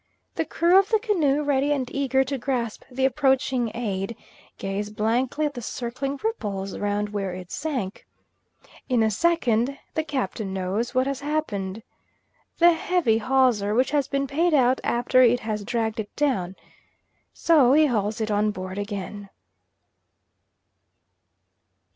The crew of the canoe, ready and eager to grasp the approaching aid, gaze blankly at the circling ripples round where it sank. In a second the Captain knows what has happened. That heavy hawser which has been paid out after it has dragged it down, so he hauls it on board again.